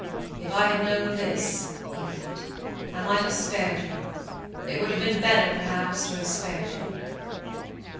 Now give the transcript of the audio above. "If I had known this," he thought, "I might have spared him. It would have been better, perhaps, to have spared him."